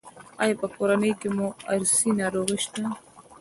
ایا په کورنۍ کې مو ارثي ناروغي شته؟